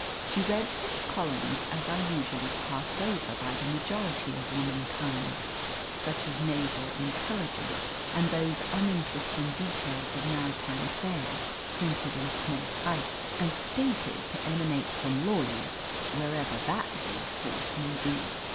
She read such columns as are usually passed over by the majority of womankind such as naval intelligence and those uninteresting details of maritime affairs printed in small type, and stated to emanate from Lloyd's, wherever that vague source may be.